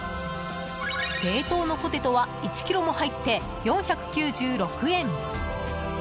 冷凍のポテトは１ｋｇも入って４９６円。